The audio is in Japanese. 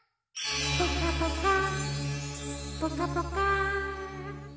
ポカポカポカポカ。